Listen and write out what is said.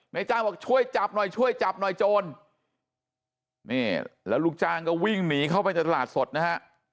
จ้างบอกช่วยจับหน่อยช่วยจับหน่อยโจรนี่แล้วลูกจ้างก็วิ่งหนีเข้าไปในตลาดสดนะฮะ